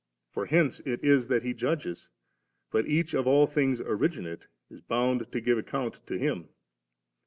For hence it is that He judges, but each of all things originate is bound to give account to Him.